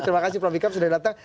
terima kasih prof ikam sudah datang